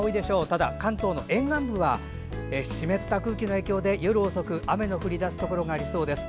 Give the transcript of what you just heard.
ただ、関東の沿岸部は湿った空気の影響で夜遅くに雨の降り出すところがありそうです。